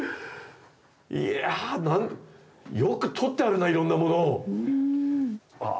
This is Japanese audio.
いや何よく取ってあるないろんなものを！